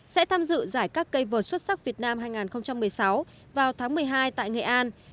sẽ tham dự giải các cây vượt xuất sắc việt nam hai nghìn một mươi sáu vào tháng một mươi hai tại nghệ an